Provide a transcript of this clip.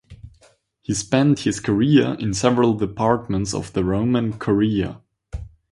He has spent his career in several departments of the Roman Curia.